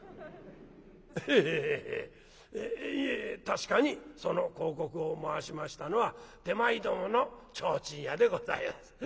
「エヘヘヘいえいえ確かにその広告を回しましたのは手前どもの提灯屋でございます。